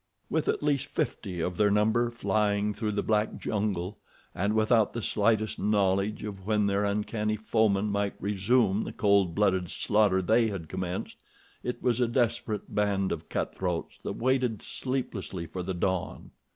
With at least fifty of their number flying through the black jungle, and without the slightest knowledge of when their uncanny foemen might resume the cold blooded slaughter they had commenced, it was a desperate band of cut throats that waited sleeplessly for the dawn.